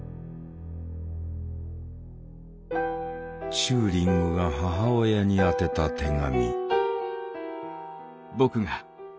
チューリングが母親に宛てた手紙。